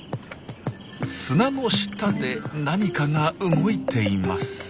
砂の下で何かが動いています。